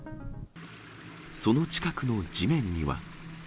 その近くの地面には。